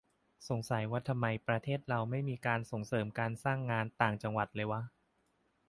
สงสัยว่าทำไม ประเทศเราไม่มีการส่งเสริมการสร้างงาน ต่างจังหวัดเลยวะ